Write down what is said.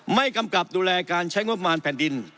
กำกับดูแลการใช้งบประมาณแผ่นดิน